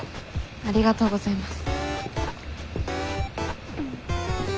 ありがとうございます。